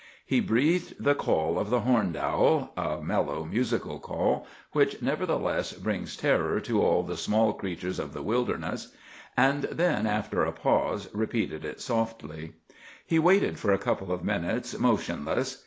He breathed the call of the horned owl—a mellow, musical call, which nevertheless brings terror to all the small creatures of the wilderness—and then, after a pause, repeated it softly. He waited for a couple of minutes motionless.